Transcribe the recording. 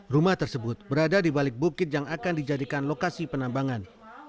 rumah tersebut berada di balik bukit yang akan dijadikan lokasi penambangan